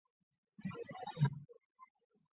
耿弇之弟耿国的玄孙。